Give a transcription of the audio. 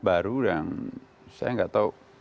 baru dan saya nggak tahu